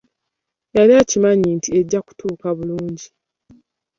Yali akimanyi nti ejja kutuuka bulungi.